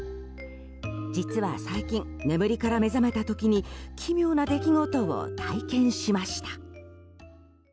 実は最近、眠りから目覚めた時に奇妙な出来事を体験しました。